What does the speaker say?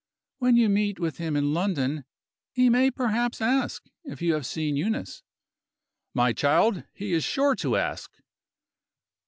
"When you meet with him in London, he may perhaps ask if you have seen Eunice." "My child! he is sure to ask."